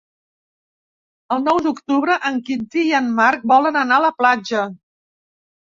El nou d'octubre en Quintí i en Marc volen anar a la platja.